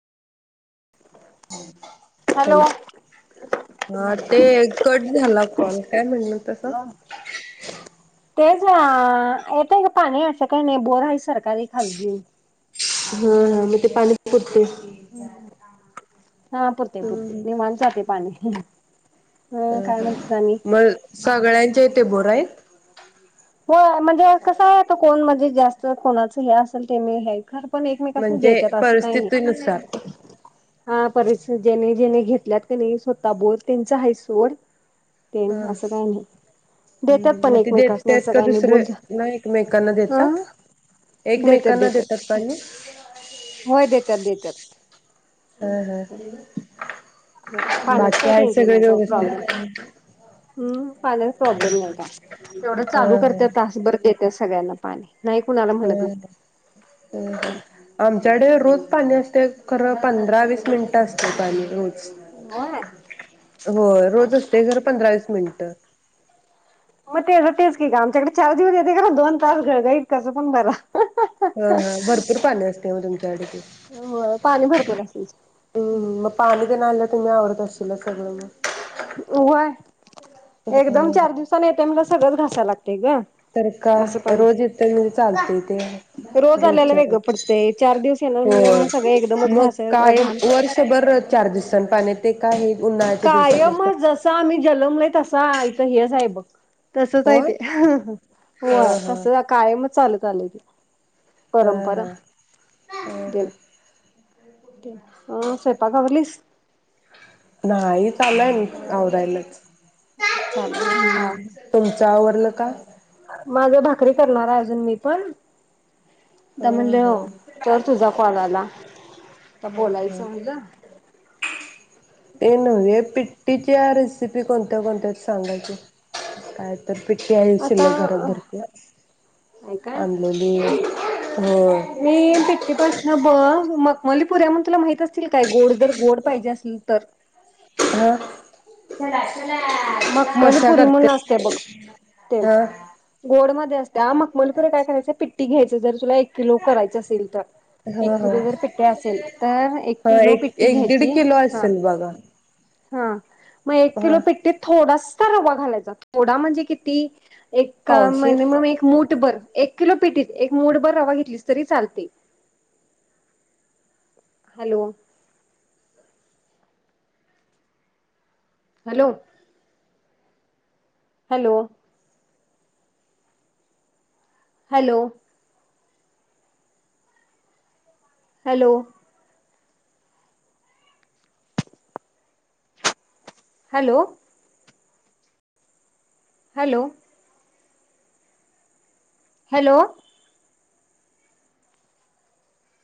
[inaudible] Hello hello हा ते cut झाला कॉल काय म्हणल होतं आता हा अअ येत य पाणी असं काही नाही बोर आहे सरकारी खाजगी हं हं मग ते पाणीच पुरतंय हा पुरतय पुरतय हम्म निवांत जातय पाणी हम काय म्हणतेस आणि ते ते बोर हाय हो म्हणजे कस आहे त कोण म्हणजे जास्त कोणाचं हे असेल ते नी घ्याय म्हणजे परिस्थितीनुसार. हा परि ज्यांनी ज्यांनी घेतल्यात कनी स्वतः बोर त्यांच हायसोड. तेन हा असं काय नाइ देत्यात पण एकमेकासनी. त्यात असं का काही नाही दुसरे बोल ना एकमेकांना देतात. अं एकमेकांना देतात पाणी. होय देत्यात देत्यात. अहहह. पाण्याच बाकी काही हाइत सगळे व्यवस्थित. हमम पाण्याचा प्राॅब्लेम नाही काय तेवढ हा चालू करत्या तासभर देतेस. सगळ्यांना पाणी नाही कुणाला म्हणत हम नाही ह आमच्याकडे रोज पाणी असतय खरं पंधरा -वीस मिनिटं असतय पाणी रोज. होय होय. रोज असतय खरं पंधरा - वीस मिनट. तर मग तेच तेच की का आमच्याकडे चार दिवस येतय खरं दोन तास घळघळीत कसं पण भरा. हा हा भरपूर पाणी असतय मग तुमच्याकडे की हो पाणी भरपूर असेल अम मग पाणीतेन आण तुम्ही अवरत अशीला सगळं मग. होय मग एकदम ह चार दिवसानी येते मग सगळंच घासायला लागतय. ग तर का असं पण रोज इतर येऊन चालतयते रोज आल्याला रोजच्या वेगळं रोज पडतंय चार दिवस येणार म्हणल्यावर मग सगळं हो एकदमच मग घासाय जरा कायम घाण वर्षभर चार्जेस. पण पाण्यात ते काये कायमचं जस आम्ही जन्मलयं तसा इथं हेच हाय बघ. तसच हाय होय ते ह होय ह तसच कायमचं. चालत आलयं ते. ह परंपरा हा ह हा ते हं स्वयंपाक आवरलीस. आवरायल. चालेल हा हम् तुमचं आवरलं का? माझ्या भाकरी करणार आहे अजून मी पण. त्या ह म्हणले ह हो तर तुझा कॉल आला. आता ह ह बोलायचं म्हणलं ते नव्हे पिट - - ीची रेसिपी कोणत्या कोणत्या सांगा की काय तर. पिठी हाय आता शिल्लक घरात भरत्या. काय आणलेली हो. मीन तीटी पासन ब मखमली पुऱ्या म्हणून तुला माहित असतील काय गोड जर गोड पाहिजे असेल तर. हा! कशा मखमलीपुरी करते म्हणून असते बघ ते हा गोड मध्ये असते ह मखमलीपुरी काय करायच पिट्टी घ्यायची तुला एक किलो करायच असेल तर, एक हा हा किलो जर पिट्टी असेल तर, एक हा किलो एक पिटी एक दीड घ्यायची किलो ह. असेल बघा हा! म एक किलो हा पिट थोडासा रवा घालायचा थोडा म्हणजे किती? एक पावशेर मिनीमम एक मूट बर. एक किलो पिटीत एक मूठ भर रवा घेतलीस तरी चालतय. Hello hello hello hello hello hello hello hello